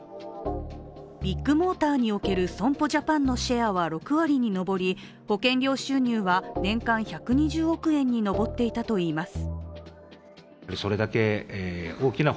ビッグモーターにおける損保ジャパンのシェアは６割に上り保険料収入は年間１２０億円に上っていたといいます。